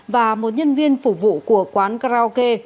và một nhân viên phục vụ của quán karaoke